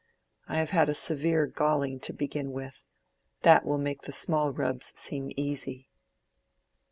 I have had a severe galling to begin with: that will make the small rubs seem easy."